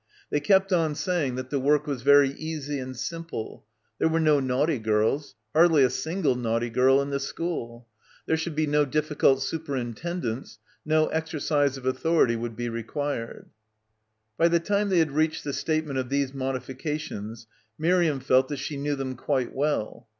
They kept on saying that the work was very easy and simple; there were no naughty girls — hardly a single naughty girl — in — 10 — BACKWATER the school; there should be no difficult superin tendence, no exercise of authority would be required. By the time they had reached the statement of these modifications Miriam felt that she knew them quite well.